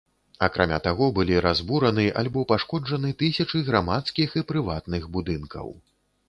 Акрамя таго, былі разбураны альбо пашкоджаны тысячы грамадскіх і прыватных будынкаў.